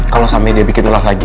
kalau sampe dia bikin ulah lagi